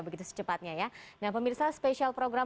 begitu secepatnya ya nah pemirsa spesial program